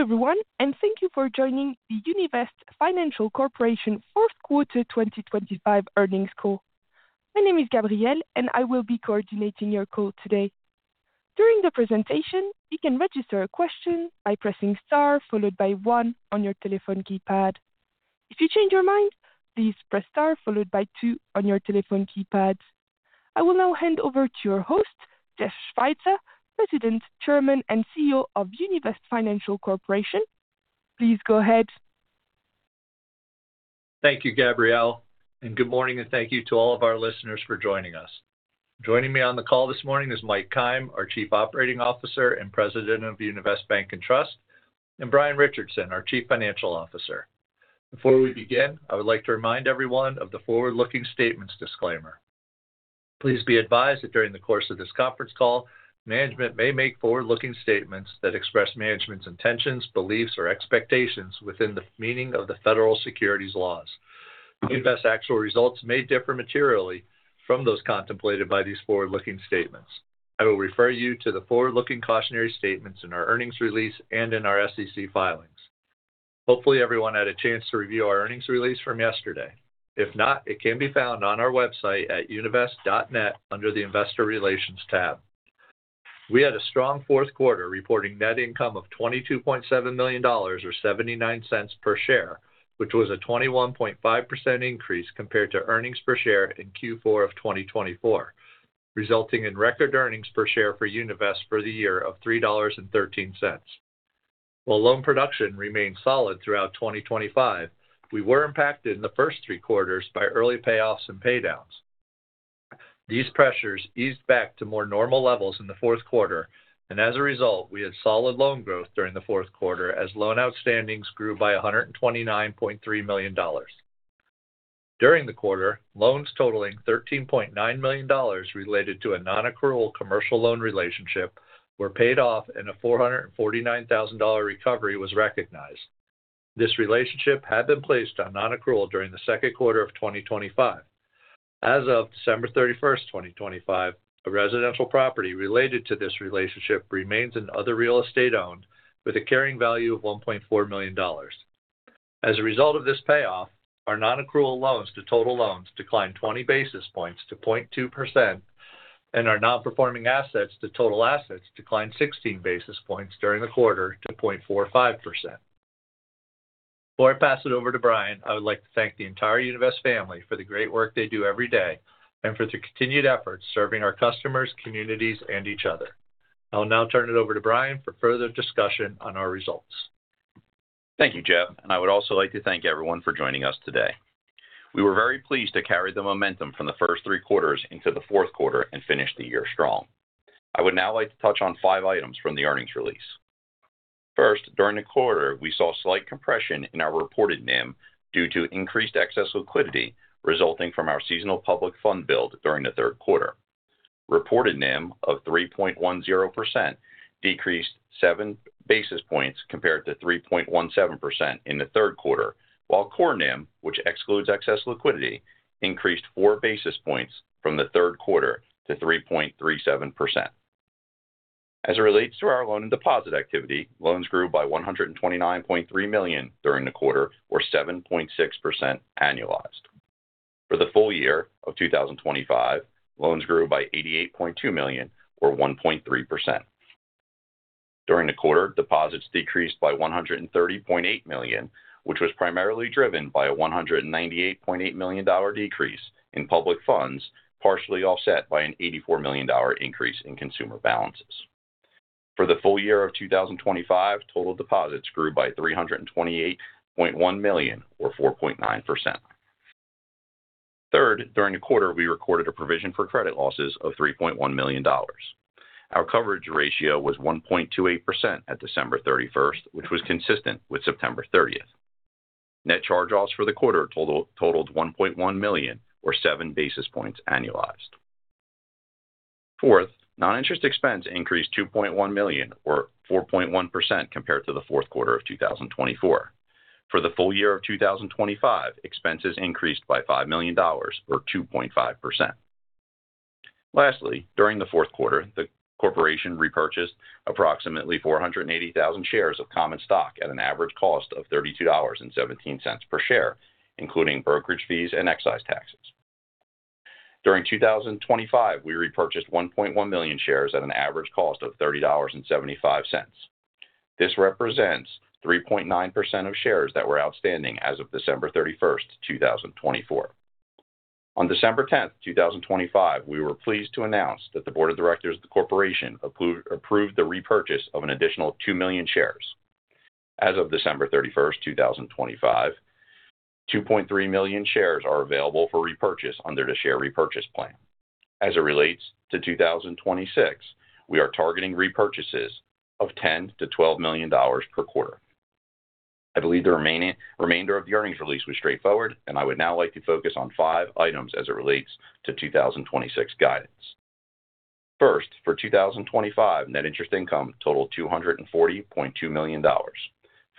Hello, everyone, and thank you for joining the Univest Financial Corporation fourth quarter 2025 earnings call. My name is Gabrielle, and I will be coordinating your call today. During the presentation, you can register a question by pressing Star, followed by one on your telephone keypad. If you change your mind, please press Star, followed by two on your telephone keypad. I will now hand over to your host, Jeff Schweitzer, President, Chairman, and CEO of Univest Financial Corporation. Please go ahead. Thank you, Gabrielle, and good morning, and thank you to all of our listeners for joining us. Joining me on the call this morning is Mike Keim, our Chief Operating Officer and President of Univest Bank and Trust, and Brian Richardson, our Chief Financial Officer. Before we begin, I would like to remind everyone of the forward-looking statements disclaimer. Please be advised that during the course of this conference call, management may make forward-looking statements that express management's intentions, beliefs, or expectations within the meaning of the federal securities laws. Univest's actual results may differ materially from those contemplated by these forward-looking statements. I will refer you to the forward-looking cautionary statements in our earnings release and in our SEC filings. Hopefully, everyone had a chance to review our earnings release from yesterday. If not, it can be found on our website at univest.net under the Investor Relations tab. We had a strong fourth quarter, reporting net income of $22.7 million or $0.79 per share, which was a 21.5% increase compared to earnings per share in Q4 of 2024, resulting in record earnings per share for Univest for the year of $3.13. While loan production remained solid throughout 2025, we were impacted in the first three quarters by early payoffs and paydowns. These pressures eased back to more normal levels in the fourth quarter, and as a result, we had solid loan growth during the fourth quarter as loan outstandings grew by $129.3 million. During the quarter, loans totaling $13.9 million related to a non-accrual commercial loan relationship were paid off, and a $449,000 recovery was recognized. This relationship had been placed on non-accrual during the second quarter of 2025. As of December 31, 2025, a residential property related to this relationship remains in other real estate owned, with a carrying value of $1.4 million. As a result of this payoff, our non-accrual loans to total loans declined 20 basis points to 0.2%, and our non-performing assets to total assets declined 16 basis points during the quarter to 0.45%. Before I pass it over to Brian, I would like to thank the entire Univest family for the great work they do every day and for their continued efforts serving our customers, communities, and each other. I'll now turn it over to Brian for further discussion on our results. Thank you, Jeff, and I would also like to thank everyone for joining us today. We were very pleased to carry the momentum from the first three quarters into the fourth quarter and finish the year strong. I would now like to touch on five items from the earnings release. First, during the quarter, we saw slight compression in our reported NIM due to increased excess liquidity resulting from our seasonal public fund build during the third quarter. Reported NIM of 3.10% decreased 7 basis points compared to 3.17% in the third quarter, while core NIM, which excludes excess liquidity, increased 4 basis points from the third quarter to 3.37%. As it relates to our loan and deposit activity, loans grew by $129.3 million during the quarter, or 7.6% annualized. For the full year of 2025, loans grew by $88.2 million, or 1.3%. During the quarter, deposits decreased by $130.8 million, which was primarily driven by a $198.8 million decrease in public funds, partially offset by an $84 million increase in consumer balances. For the full year of 2025, total deposits grew by $328.1 million, or 4.9%. Third, during the quarter, we recorded a provision for credit losses of $3.1 million. Our coverage ratio was 1.28% at December 31st, which was consistent with September 30th. Net charge-offs for the quarter totaled $1.1 million, or seven basis points annualized. Fourth, non-interest expense increased $2.1 million, or 4.1% compared to the fourth quarter of 2024. For the full year of 2025, expenses increased by $5 million, or 2.5%. Lastly, during the fourth quarter, the corporation repurchased approximately 400,000 shares of common stock at an average cost of $32.17 per share, including brokerage fees and excise taxes. During 2025, we repurchased 1.1 million shares at an average cost of $30.75. This represents 3.9% of shares that were outstanding as of December 31, 2024. On December 10, 2025, we were pleased to announce that the board of directors of the corporation approved the repurchase of an additional 2 million shares. As of December 31, 2025, 2.3 million shares are available for repurchase under the share repurchase plan. As it relates to 2026, we are targeting repurchases of $10 million-$12 million per quarter. I believe the remainder of the earnings release was straightforward, and I would now like to focus on five items as it relates to 2026 guidance. First, for 2025, net interest income totaled $240.2 million.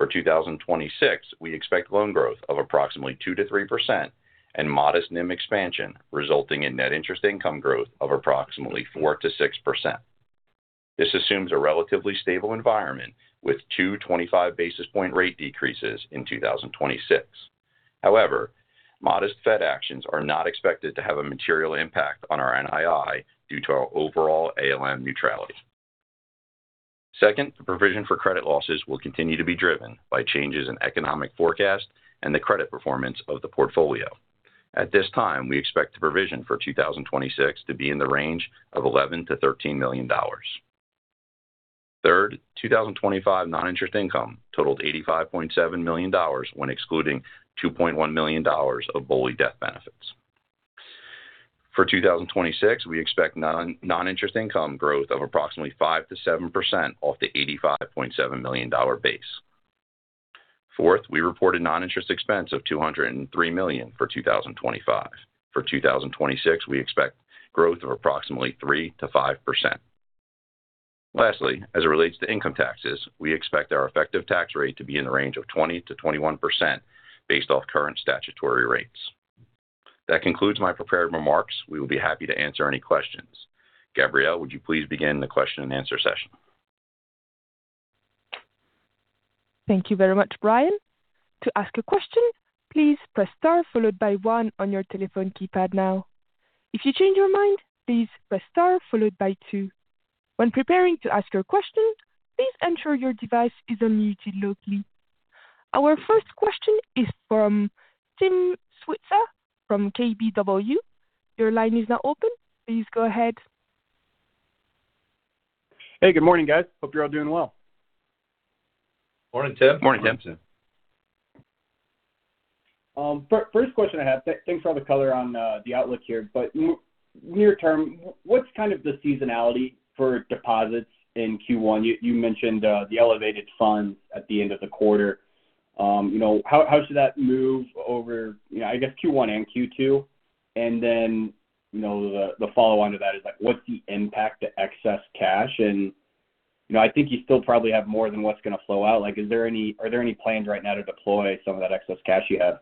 For 2026, we expect loan growth of approximately 2%-3% and modest NIM expansion, resulting in net interest income growth of approximately 4%-6%. This assumes a relatively stable environment with two 25 basis point rate decreases in 2026. However, modest Fed actions are not expected to have a material impact on our NII due to our overall ALM neutrality. Second, the provision for credit losses will continue to be driven by changes in economic forecast and the credit performance of the portfolio. At this time, we expect the provision for 2026 to be in the range of $11 million-$13 million. Third, 2025 non-interest income totaled $85.7 million when excluding $2.1 million of BOLI death benefits. For 2026, we expect non-interest income growth of approximately 5%-7% off the $85.7 million base. Fourth, we reported non-interest expense of $203 million for 2025. For 2026, we expect growth of approximately 3%-5%. Lastly, as it relates to income taxes, we expect our effective tax rate to be in the range of 20%-21% based off current statutory rates. That concludes my prepared remarks. We will be happy to answer any questions. Gabrielle, would you please begin the question and answer session? Thank you very much, Brian. To ask a question, please press star followed by one on your telephone keypad now. If you change your mind, please press star followed by two. When preparing to ask your question, please ensure your device is unmuted locally. Our first question is from Tim Switzer from KBW. Your line is now open. Please go ahead. Hey, good morning, guys. Hope you're all doing well. Morning, Tim. Morning, Tim. First question I have, thanks for all the color on the outlook here. But near term, what's kind of the seasonality for deposits in Q1? You mentioned the elevated funds at the end of the quarter. You know, how should that move over, you know, I guess, Q1 and Q2? And then, you know, the follow-on to that is, like, what's the impact to excess cash? And, you know, I think you still probably have more than what's going to flow out. Like, are there any plans right now to deploy some of that excess cash you have?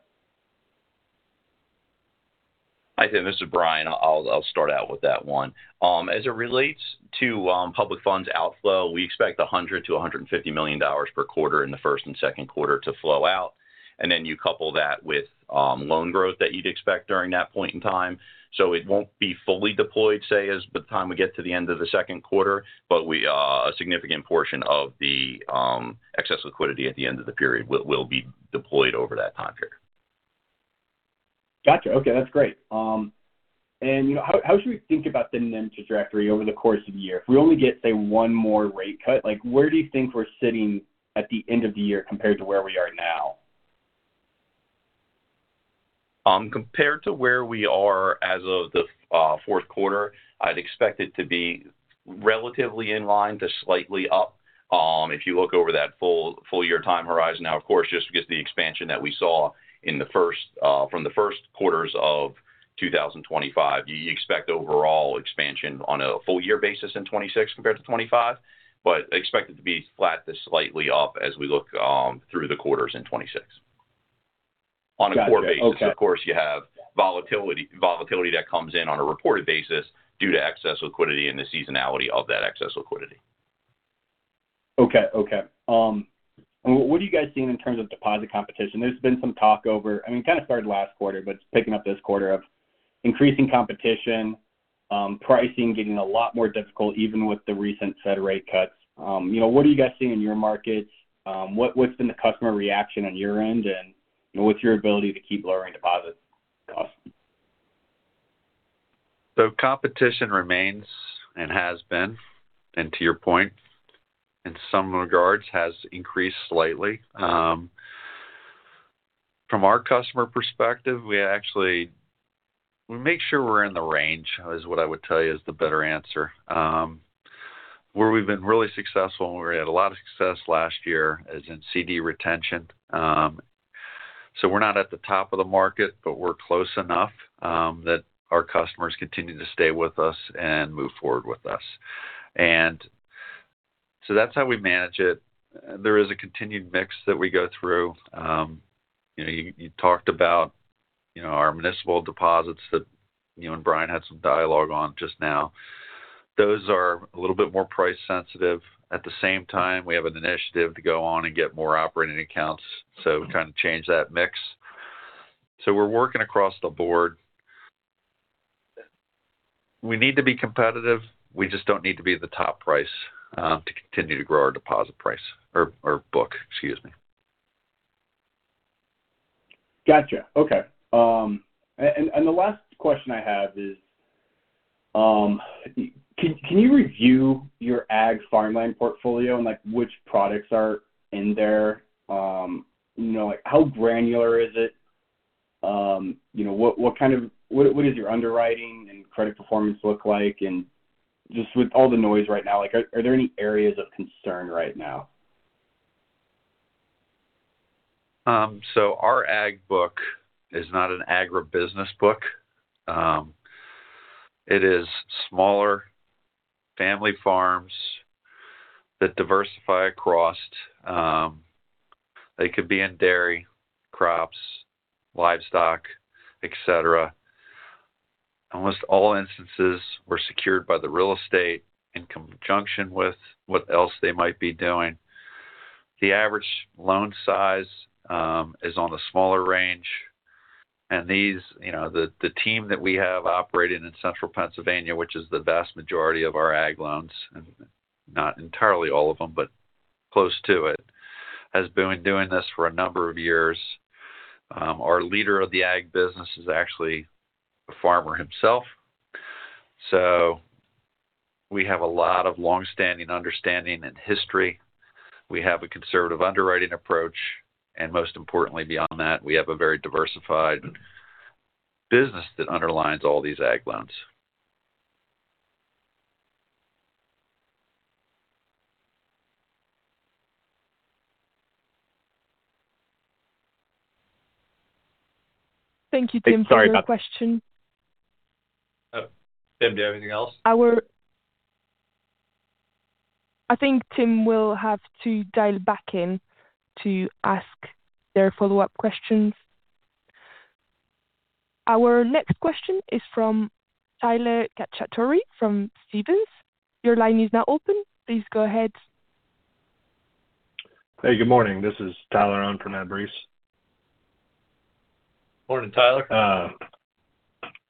Hi, Tim, this is Brian. I'll start out with that one. As it relates to public funds outflow, we expect $100 million-$150 million per quarter in the first and second quarter to flow out. And then you couple that with loan growth that you'd expect during that point in time. So it won't be fully deployed, say, as by the time we get to the end of the second quarter, but a significant portion of the excess liquidity at the end of the period will be deployed over that time period. Gotcha. Okay, that's great. You know, how should we think about the NIM trajectory over the course of the year? If we only get, say, one more rate cut, like, where do you think we're sitting at the end of the year compared to where we are now? Compared to where we are as of the fourth quarter, I'd expect it to be relatively in line to slightly up, if you look over that full, full year time horizon. Now, of course, just because the expansion that we saw from the first quarters of 2025, you expect overall expansion on a full year basis in 2026 compared to 2025, but expect it to be flat to slightly up as we look through the quarters in 2026. Got you. Okay. On a core basis, of course, you have volatility, volatility that comes in on a reported basis due to excess liquidity and the seasonality of that excess liquidity. Okay. Okay. What are you guys seeing in terms of deposit competition? There's been some talk over. I mean, kind of started last quarter, but it's picking up this quarter, of increasing competition, pricing getting a lot more difficult, even with the recent Fed rate cuts. You know, what are you guys seeing in your markets? What, what's been the customer reaction on your end, and, you know, what's your ability to keep lowering deposit costs? So competition remains and has been, and to your point, in some regards, has increased slightly. From our customer perspective, we actually, we make sure we're in the range, is what I would tell you is the better answer. Where we've been really successful, and we had a lot of success last year, is in CD retention. So we're not at the top of the market, but we're close enough that our customers continue to stay with us and move forward with us. And so that's how we manage it. There is a continued mix that we go through. You know, you talked about, you know, our municipal deposits that, you know, and Brian had some dialogue on just now. Those are a little bit more price sensitive. At the same time, we have an initiative to go on and get more operating accounts, so we're trying to change that mix. So we're working across the board. We need to be competitive. We just don't need to be at the top price to continue to grow our deposit price or book, excuse me. Gotcha. Okay. And the last question I have is, can you review your ag farmland portfolio and, like, which products are in there? You know, like, how granular is it? You know, what kind of underwriting and credit performance look like? And just with all the noise right now, like, are there any areas of concern right now? So our ag book is not an agribusiness book. It is smaller family farms that diversify across, they could be in dairy, crops, livestock, et cetera. Almost all instances were secured by the real estate in conjunction with what else they might be doing. The average loan size is on the smaller range. And these, you know, the team that we have operating in Central Pennsylvania, which is the vast majority of our ag loans, and not entirely all of them, but close to it, has been doing this for a number of years. Our leader of the ag business is actually a farmer himself. So we have a lot of long-standing understanding and history. We have a conservative underwriting approach, and most importantly, beyond that, we have a very diversified business that underlies all these ag loans. Thank you, Tim, for your question. Sorry about- Tim, do you have anything else? I think Tim will have to dial back in to ask their follow-up questions. Our next question is from Tyler Cacciatori from Stephens. Your line is now open. Please go ahead. Hey, good morning. This is Tyler. I'm from Stephens. Morning, Tyler.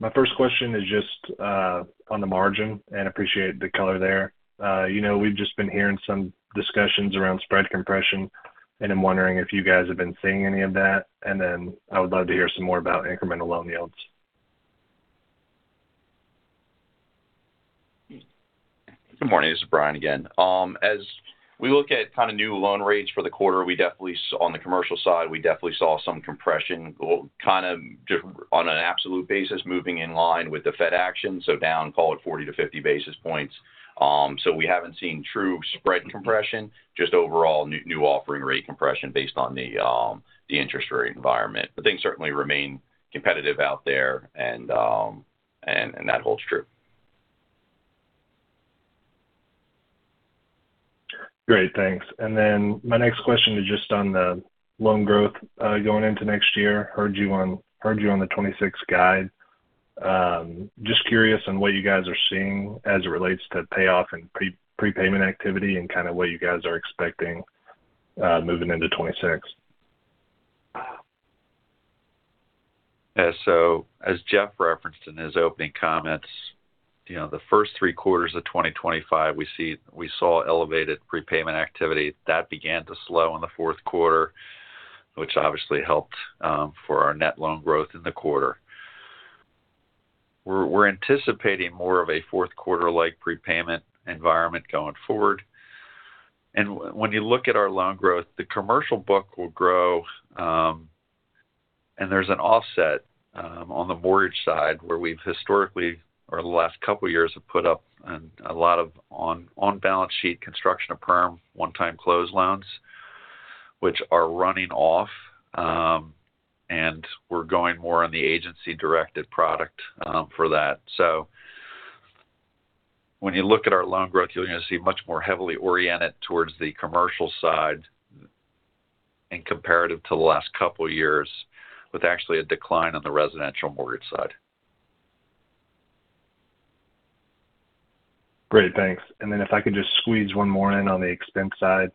My first question is just on the margin, and appreciate the color there. You know, we've just been hearing some discussions around spread compression, and I'm wondering if you guys have been seeing any of that. And then I would love to hear some more about incremental loan yields. Good morning, this is Brian again. As we look at kind of new loan rates for the quarter, we definitely saw some compression on the commercial side, well, kind of down on an absolute basis, moving in line with the Fed action, so down, call it 40-50 basis points. So we haven't seen true spread compression, just overall new offering rate compression based on the, the interest rate environment. But things certainly remain competitive out there, and that holds true. Great, thanks. Then my next question is just on the loan growth going into next year. Heard you on the 2026 guide. Just curious on what you guys are seeing as it relates to payoff and prepayment activity and kind of what you guys are expecting moving into 2026. So as Jeff referenced in his opening comments, you know, the first three quarters of 2025, we saw elevated prepayment activity. That began to slow in the fourth quarter, which obviously helped for our net loan growth in the quarter. We're anticipating more of a fourth quarter-like prepayment environment going forward. And when you look at our loan growth, the commercial book will grow, and there's an offset on the mortgage side, where we've historically, or the last couple of years, have put up a lot of on-balance sheet construction of perm one-time close loans, which are running off, and we're going more on the agency-directed product for that. When you look at our loan growth, you're gonna see much more heavily oriented towards the commercial side and comparative to the last couple of years, with actually a decline on the residential mortgage side. Great, thanks. And then if I could just squeeze one more in on the expense side.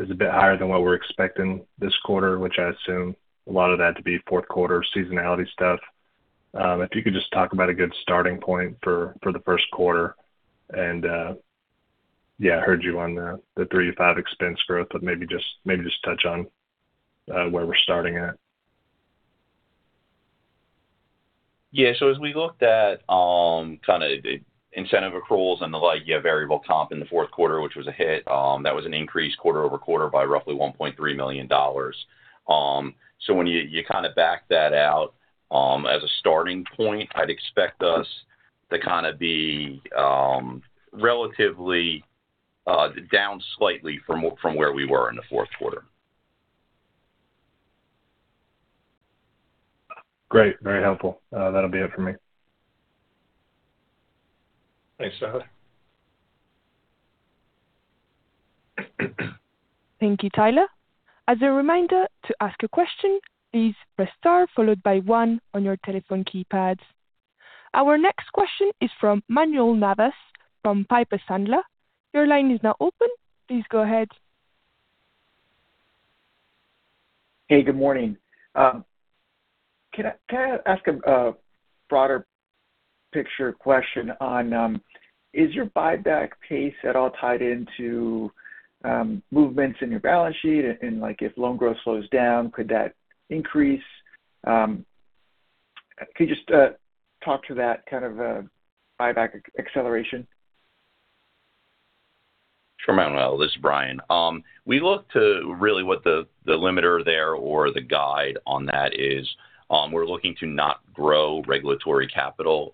It's a bit higher than what we're expecting this quarter, which I assume a lot of that to be fourth quarter seasonality stuff. If you could just talk about a good starting point for, for the first quarter. And, yeah, I heard you on the, the 3 to 5 expense growth, but maybe just, maybe just touch on, where we're starting at. Yeah, so as we looked at, kind of the incentive accruals and the like, you have variable comp in the fourth quarter, which was a hit, that was an increase quarter-over-quarter by roughly $1.3 million. So when you kind of back that out, as a starting point, I'd expect us to kind of be relatively down slightly from where we were in the fourth quarter. Great, very helpful. That'll be it for me. Thanks, Tyler. Thank you, Tyler. As a reminder, to ask a question, please press star followed by one on your telephone keypads. Our next question is from Manuel Navas, from Piper Sandler. Your line is now open. Please go ahead. Hey, good morning. Can I ask a broader picture question on is your buyback pace at all tied into movements in your balance sheet? And, like, if loan growth slows down, could that increase? Could you just talk to that kind of buyback acceleration?... Sure, Manuel, this is Brian. We look to really what the limiter there or the guide on that is, we're looking to not grow regulatory capital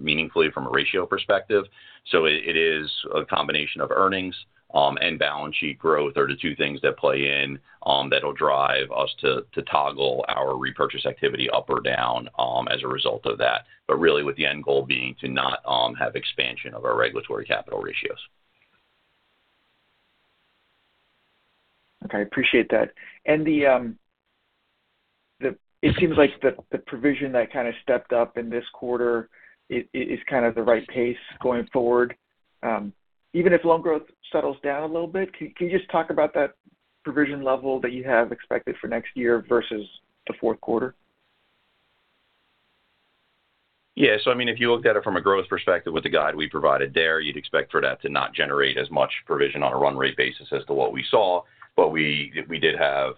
meaningfully from a ratio perspective. So it is a combination of earnings and balance sheet growth are the two things that play in, that'll drive us to toggle our repurchase activity up or down as a result of that. But really, with the end goal being to not have expansion of our regulatory capital ratios. Okay, appreciate that. And the provision that kind of stepped up in this quarter is kind of the right pace going forward, even if loan growth settles down a little bit. Can you just talk about that provision level that you have expected for next year versus the fourth quarter? Yeah. So I mean, if you looked at it from a growth perspective with the guide we provided there, you'd expect for that to not generate as much provision on a run rate basis as to what we saw. But we, we did have,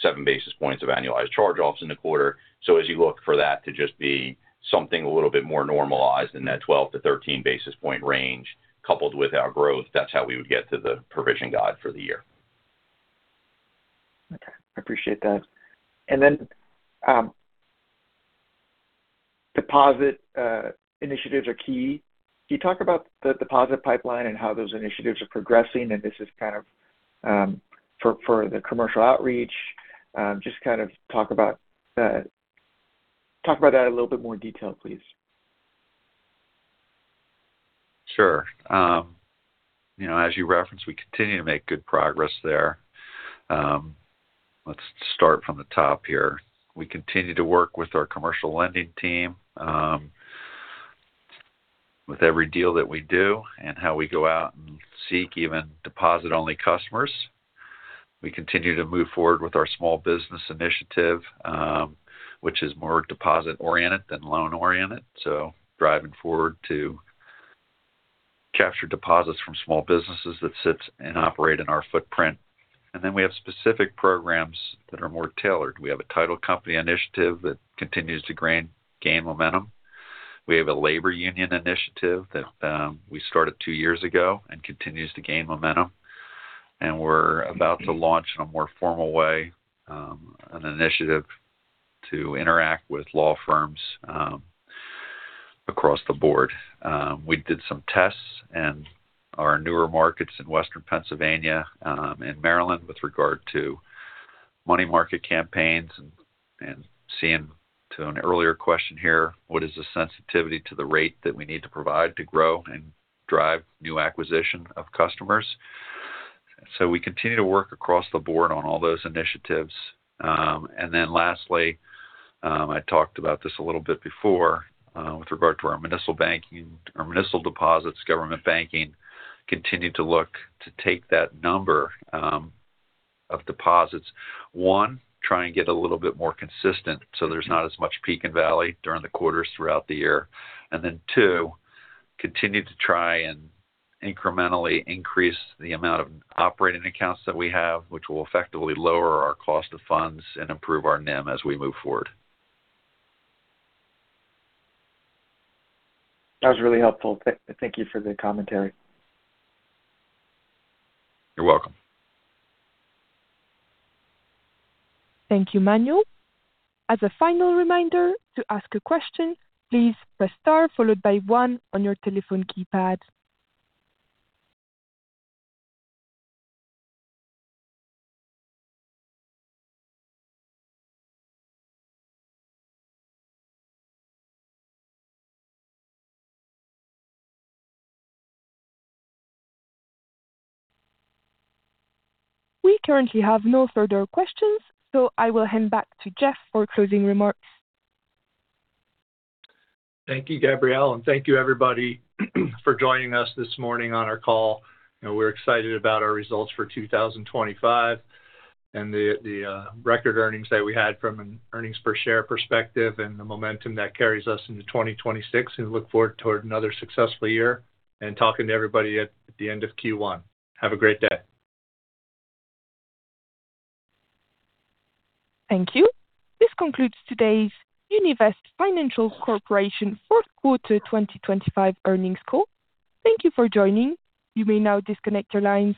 seven basis points of annualized charge-offs in the quarter. So as you look for that to just be something a little bit more normalized in that 12-13 basis point range, coupled with our growth, that's how we would get to the provision guide for the year. Okay. I appreciate that. And then, deposit initiatives are key. Can you talk about the deposit pipeline and how those initiatives are progressing? And this is kind of for the commercial outreach. Just kind of talk about that. Talk about that in a little bit more detail, please. Sure. You know, as you referenced, we continue to make good progress there. Let's start from the top here. We continue to work with our commercial lending team, with every deal that we do and how we go out and seek even deposit-only customers. We continue to move forward with our small business initiative, which is more deposit-oriented than loan-oriented, so driving forward to capture deposits from small businesses that sits and operate in our footprint. And then we have specific programs that are more tailored. We have a title company initiative that continues to gain momentum. We have a labor union initiative that, we started two years ago and continues to gain momentum. And we're about to launch, in a more formal way, an initiative to interact with law firms, across the board. We did some tests in our newer markets in Western Pennsylvania and Maryland with regard to money market campaigns and seeing to an earlier question here, what is the sensitivity to the rate that we need to provide to grow and drive new acquisition of customers? So we continue to work across the board on all those initiatives. And then lastly, I talked about this a little bit before, with regard to our municipal banking, our municipal deposits, government banking, continue to look to take that number of deposits. One, try and get a little bit more consistent, so there's not as much peak and valley during the quarters throughout the year. And then, two, continue to try and incrementally increase the amount of operating accounts that we have, which will effectively lower our cost of funds and improve our NIM as we move forward. That was really helpful. Thank you for the commentary. You're welcome. Thank you, Manuel. As a final reminder, to ask a question, please press star followed by one on your telephone keypad. We currently have no further questions, so I will hand back to Jeff for closing remarks. Thank you, Gabrielle, and thank you, everybody, for joining us this morning on our call. You know, we're excited about our results for 2025 and the record earnings that we had from an earnings per share perspective and the momentum that carries us into 2026. We look forward toward another successful year and talking to everybody at the end of Q1. Have a great day. Thank you. This concludes today's Univest Financial Corporation fourth quarter 2025 earnings call. Thank you for joining. You may now disconnect your lines.